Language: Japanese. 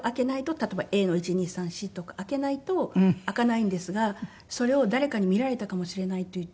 例えばＡの１２３４とか開けないと開かないんですがそれを誰かに見られたかもしれないって言って。